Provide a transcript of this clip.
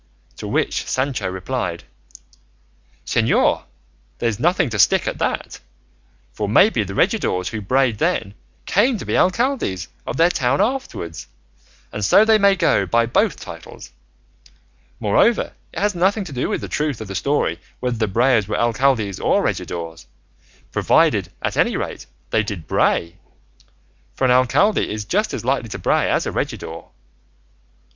To which Sancho replied, "Señor, there's nothing to stick at in that, for maybe the regidors who brayed then came to be alcaldes of their town afterwards, and so they may go by both titles; moreover, it has nothing to do with the truth of the story whether the brayers were alcaldes or regidors, provided at any rate they did bray; for an alcalde is just as likely to bray as a regidor."